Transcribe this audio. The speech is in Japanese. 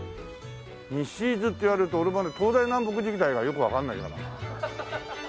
西伊豆って言われると俺まだ東西南北自体がよくわからないからな。